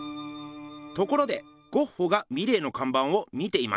ところでゴッホがミレーのかんばんを見ていましたよね。